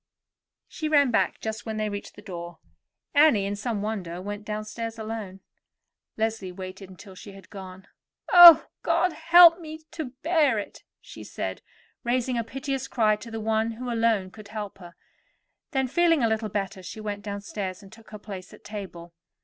She ran back just when they reached the door. Annie, in some wonder, went downstairs alone. Leslie waited until she had gone. "Oh, God help me to bear it!" she said, raising a piteous cry to the One who alone could help her. Then, feeling a little better, she went downstairs, and took her place at table.